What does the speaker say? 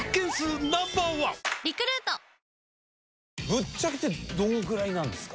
ぶっちゃけてどのぐらいなんですか？